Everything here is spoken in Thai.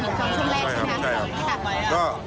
มีเหตุการณ์ตอนเห็นเขาชุดแรกใช่ไหมครับ